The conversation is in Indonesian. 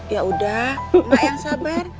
ya udah gak yang sabar